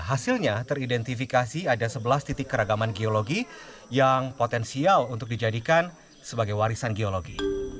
hasilnya teridentifikasi ada sebelas titik keragaman geologi yang potensial untuk dijadikan sebagai warisan geologi